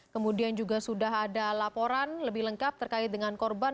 kemudian juga sudah ada laporan lebih lengkap terkait dengan korban